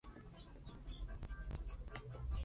Se encuentra en Trinidad y Tobago y la República Dominicana.